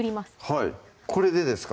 はいこれでですか？